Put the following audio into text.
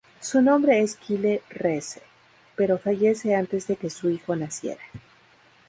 Su nombre es Kyle Reese, pero fallece antes de que su hijo naciera.